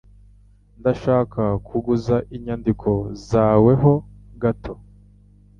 Ndashaka kuguza inyandiko zawe ho gato.